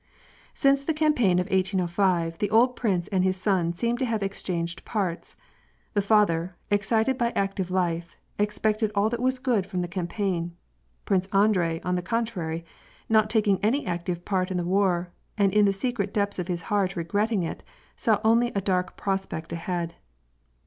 Since the campaign of 1805, the old prince and his son seemed to have exchanged parts : the father, excited by active Hfe, expected all that was good from the campaign ; Prince Andrei, on the contrary, not taking any active part in the war, and in the secret depths of his heart regretting it, saw only a ^rk prospect ahead.